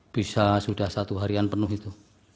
bisa sudah satu harian penuh itu